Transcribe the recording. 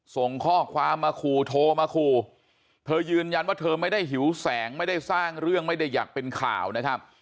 ส่งข้อความมาขู่โทรมาขู่เธอยืนยันว่าเธอไม่ได้หิวแสงไม่ได้สร้างเรื่องไม่ได้อยากเป็นข่าวนะครับ